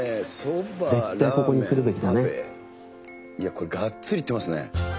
これがっつりいってますね。